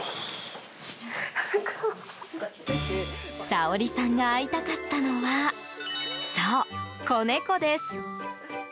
サオリさんが会いたかったのはそう、子猫です。